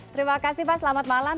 terima kasih pak selamat malam